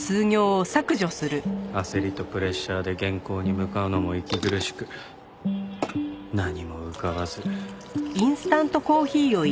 焦りとプレッシャーで原稿に向かうのも息苦しく何も浮かばず。